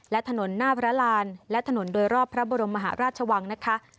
และถนนหน้าพระรานและถนนโดยรอบพระบรมมหาราชวังนะคะ